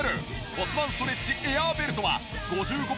骨盤ストレッチエアーベルトは５５